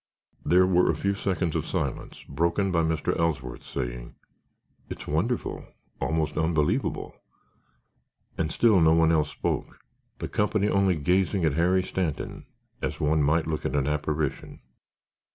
There were a few seconds of silence, broken by Mr. Ellsworth's saying, "It's wonderful, almost unbelievable." And still no one else spoke, the company only gazing at Harry Stanton, as one might look at an apparition.